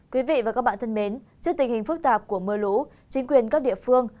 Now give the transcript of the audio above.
quý vị và các bạn thân mến trước tình hình phức tạp của mưa lũ chính quyền các địa phương